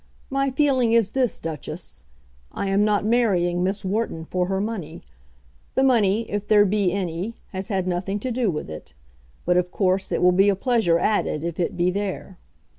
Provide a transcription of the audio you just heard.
My feeling is this, Duchess; I am not marrying Miss Wharton for her money. The money, if there be any, has had nothing to do with it. But of course it will be a pleasure added if it be there."